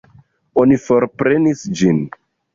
Oni forprenis ĝin.